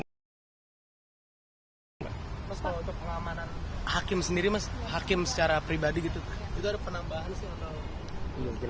mas kalau untuk pengamanan hakim sendiri mas hakim secara pribadi gitu itu ada penambahan sih atau